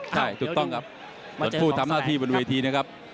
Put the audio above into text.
ใช่ถูกต้องครับแต่ผู้ทำหน้าที่บนเวทีนะครับ